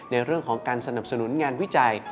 ในเรื่องของการสนับสนุนงานวิจัย